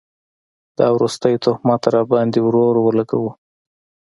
دا وروستی تهمت راباند ې ورور اولګوو